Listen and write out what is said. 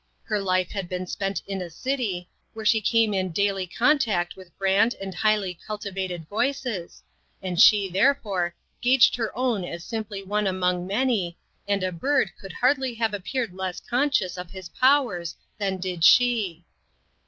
Her life had been spent in a city, where she came in daily contact with grand and highly cultivated voices, and she, therefore, gauged her own as simply one among many, and a bird could hardly have appeared less conscious of his powers than did she.